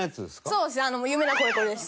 そうです。